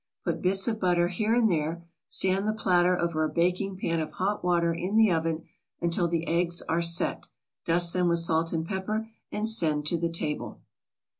Put bits of butter here and there, stand the platter over a baking pan of hot water in the oven until the eggs are "set," dust them with salt and pepper and send them to the table.